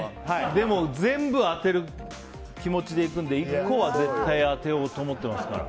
でも全部当てる気持ちでいくんで１個は絶対当てようと思ってますから。